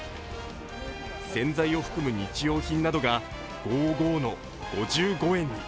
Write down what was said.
洗剤を含む日用品などがゴーゴーの５５円に。